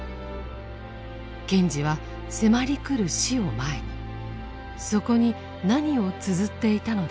賢治は迫り来る死を前にそこに何をつづっていたのでしょうか。